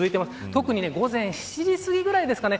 特に午前７時すぎくらいですかね。